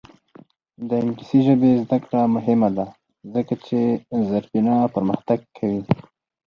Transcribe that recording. د انګلیسي ژبې زده کړه مهمه ده ځکه چې زیربنا پرمختګ کوي.